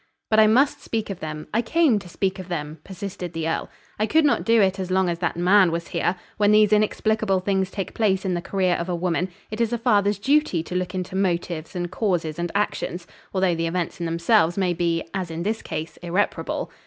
"But I must speak of them; I came to speak of them," persisted the earl; "I could not do it as long as that man was here. When these inexplicable things take place in the career of a woman, it is a father's duty to look into motives and causes and actions, although the events in themselves may be, as in this case, irreparable.